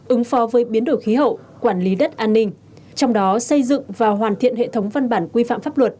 ứng phó với biến đổi khí hậu quản lý đất an ninh trong đó xây dựng và hoàn thiện hệ thống văn bản quy phạm pháp luật